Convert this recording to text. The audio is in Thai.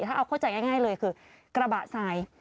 ถ้าเอาเข้าใจง่ายเลยคือกระบะทราย